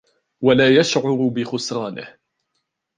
وَلَا يَشْعُرُ بِخُسْرَانِهِ